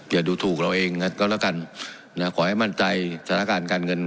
อย่าดูถูกเราเองก็แล้วกันนะขอให้มั่นใจสถานการณ์การเงิน